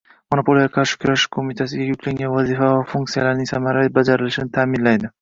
Monopoliyaga qarshi kurashish qo‘mitasiga yuklangan vazifalar va funksiyalarning samarali bajarilishini ta’minlaydi;